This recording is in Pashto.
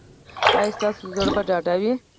ایا ستاسو زړه به ډاډه وي؟